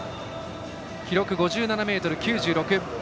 記録、５７ｍ９６。